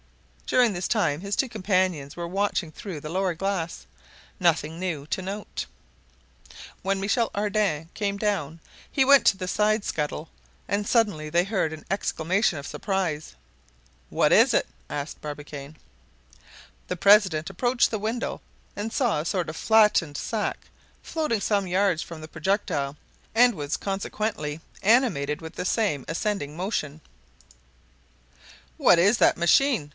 During this time his companions were watching through the lower glass. Nothing new to note! When Michel Ardan came down, he went to the side scuttle; and suddenly they heard an exclamation of surprise! "What is it?" asked Barbicane. The president approached the window, and saw a sort of flattened sack floating some yards from the projectile. This object seemed as motionless as the projectile, and was consequently animated with the same ascending movement. "What is that machine?"